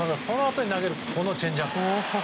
そのあとに投げるこのチェンジアップ。